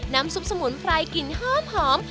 น้ำซุปสมุนไพรกลิ่นหอม